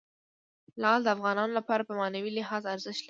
لعل د افغانانو لپاره په معنوي لحاظ ارزښت لري.